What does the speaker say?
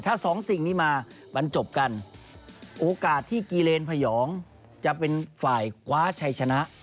ถ้าสองสิ่งนี้มามันจบกันโอกาสที่กิเลนพยองจะเป็นฝ่ายคว้าชัยชนะ